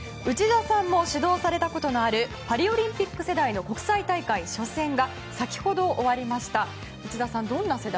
内田さんも指導されたことのあるパリオリンピック世代の国際大会初戦が先ほど、終わりました。